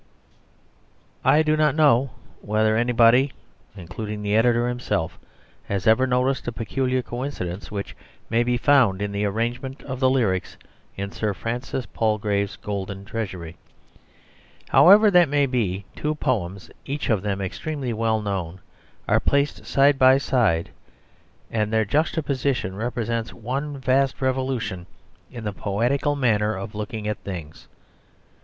I do not know whether anybody, including the editor himself, has ever noticed a peculiar coincidence which may be found in the arrangement of the lyrics in Sir Francis Palgrave's Golden Treasury. However that may be, two poems, each of them extremely well known, are placed side by side, and their juxtaposition represents one vast revolution in the poetical manner of looking at things.